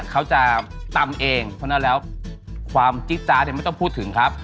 เขาจะตำเองเพราะฉะนั้นแล้วความจิ๊จ๊ะเนี่ยไม่ต้องพูดถึงครับ